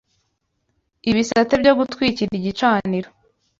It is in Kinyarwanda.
ibisate byo gutwikira igicaniro